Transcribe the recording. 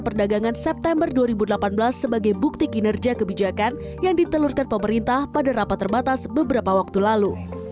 pemerintah menunjukkan penurunan impor tersebut di raja perdagangan september dua ribu delapan belas sebagai bukti kinerja kebijakan yang ditelurkan pemerintah pada rapat terbatas beberapa waktu lalu